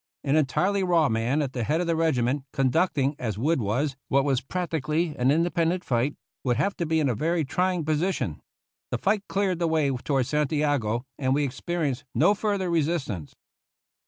An entirely raw man at the head of the regiment, conducting, as Wood was, what was practically an independent fight, would have been in a very trying position. The fight cleared the way tow ard Santiago, and we experienced no further re sistance.